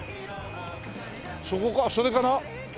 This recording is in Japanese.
そこかそれかな？